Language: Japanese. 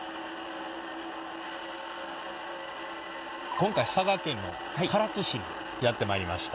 今回佐賀県の唐津市にやって参りました。